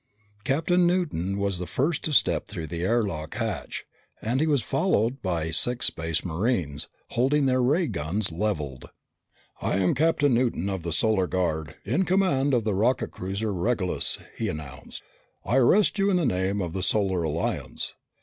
Captain Newton was the first to step through the air lock hatch and he was followed by six Space Marines, holding their ray guns leveled. "I am Captain Newton of the Solar Guard, in command of the rocket cruiser Regulus," he announced. "I arrest you in the name of the Solar Alliance."